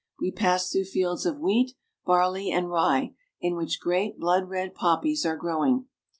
We pass through fields of wheat, barley, and rye, in which great blood red poppies are growing.